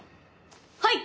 はい！